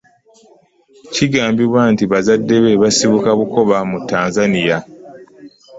Kigambibwa nti bazadde be basibuka Bukoba muTanzania.